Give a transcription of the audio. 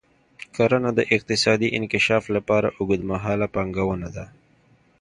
کرنه د اقتصادي انکشاف لپاره اوږدمهاله پانګونه ده.